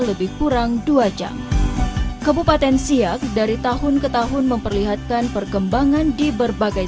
lebih kurang dua jam kebupaten siak dari tahun ke tahun memperlihatkan perkembangan di berbagai